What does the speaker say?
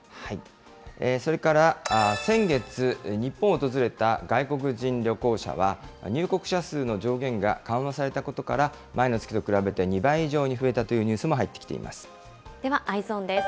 それから、先月、日本を訪れた外国人旅行者は、入国者数の上限が緩和されたことから、前の月と比べて２倍以上に増えたというニュースも入ってきていまではＥｙｅｓｏｎです。